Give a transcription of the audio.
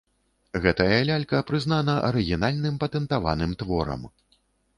Гэтая лялька прызнана арыгінальным, патэнтаваным творам.